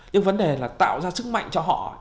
nhưng vấn đề là tạo ra sức mạnh cho họ